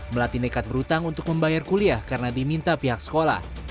melati nekat berhutang untuk membayar kuliah karena diminta pihak sekolah